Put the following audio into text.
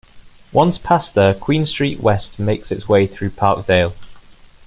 Once past there, Queen Street West makes its way through Parkdale.